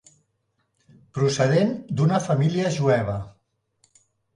Procedent d'una família jueva.